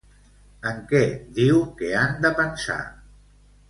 En què diu que han de pensar?